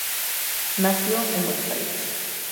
Nació en Buenos Aires.